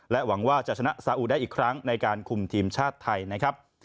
หวังว่าจะชนะสาอุได้อีกครั้งในการคุมทีมชาติไทยนะครับ